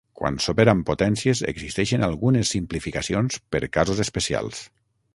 Quan s'opera amb potències, existeixen algunes simplificacions per casos especials.